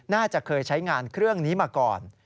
น่าจะเคยใช้งานเครื่องนี้มาก่อน